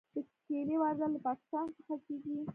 د کیلې واردات له پاکستان څخه کیږي.